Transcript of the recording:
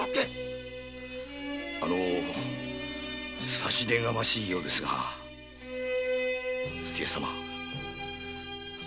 あの差し出がましいようですが土屋様そいつは酷です。